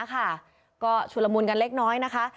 ก็ชุดละมุนกันเล็กน้อยนะคะ